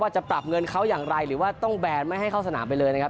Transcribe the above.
จะปรับเงินเขาอย่างไรหรือว่าต้องแบนไม่ให้เข้าสนามไปเลยนะครับ